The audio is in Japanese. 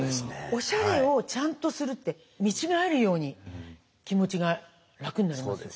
おしゃれをちゃんとするって見違えるように気持ちが楽になりますよ。